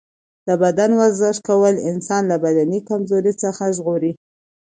د بدن ورزش کول انسان له بدني کمزورۍ څخه ژغوري.